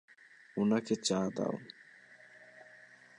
ওনাকে চা দাও।